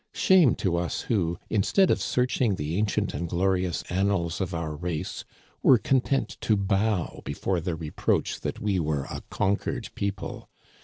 Shame to us who, instead of searching the ancient and glorious annals of our race, were content to bow before the reproach that we were a conquered people